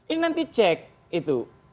ini nanti cek itu